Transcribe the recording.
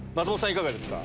いかがですか？